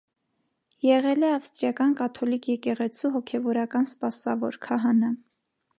Եղել է ավստրիական կաթոլիկ եկեղեցու հոգևորական սպասավոր՝ քահանա։